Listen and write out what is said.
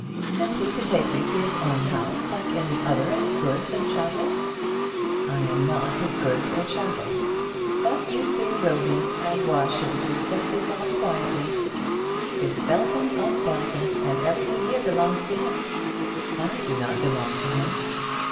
"Simply to take you to his own house, like any other of his goods and chattels." "I am not his goods or his chattels." "But you soon will be; and why shouldn't you accept your lot quietly? He is Belton of Belton, and everything here belongs to him." "I do not belong to him."